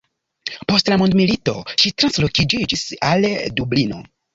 Post la mondmilito, ŝi transloĝiĝis al Dublino.